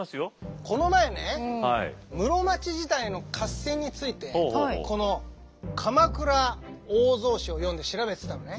この前ね室町時代の合戦についてこの「鎌倉大草紙」を読んで調べてたのね。